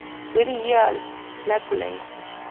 维利耶尔莱普雷。